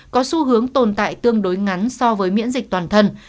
có xu hướng tồn tại tương đối ngắn so với miễn dịch toàn thân